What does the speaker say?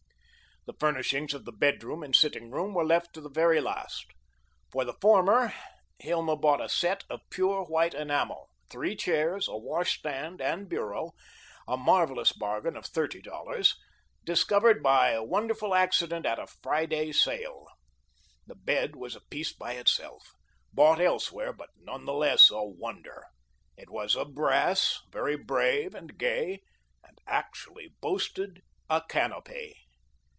The furnishings of the bedroom and sitting room were left to the very last. For the former, Hilma bought a "set" of pure white enamel, three chairs, a washstand and bureau, a marvellous bargain of thirty dollars, discovered by wonderful accident at a "Friday Sale." The bed was a piece by itself, bought elsewhere, but none the less a wonder. It was of brass, very brave and gay, and actually boasted a canopy!